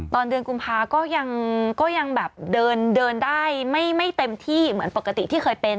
ตอนเดือนกุมภาก็ยังแบบเดินได้ไม่เต็มที่เหมือนปกติที่เคยเป็น